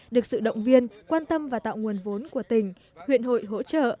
được sự động viên quan tâm và tạo nguồn vốn của tỉnh huyện hội hỗ trợ